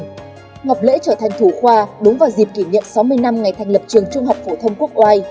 ngọc lễ trở thành thủ khoa đúng vào dịp kỷ niệm sáu mươi năm ngày thành lập trường trung học phổ thông quốc oai